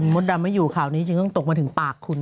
มดดำไม่อยู่ข่าวนี้จึงต้องตกมาถึงปากคุณ